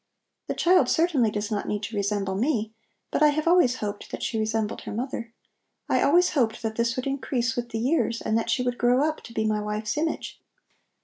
The child certainly does not need to resemble me, but I have always hoped that she resembled her mother. I always hoped that this would increase with the years and that she would grow up to be my wife's image.